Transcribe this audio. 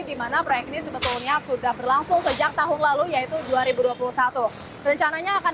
dimana proyek ini sebetulnya sudah berlangsung sejak tahun lalu yaitu dua ribu dua puluh satu rencananya akan